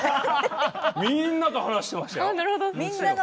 みんなと話ししていましたよ。